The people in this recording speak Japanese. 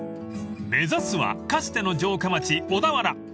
［目指すはかつての城下町小田原］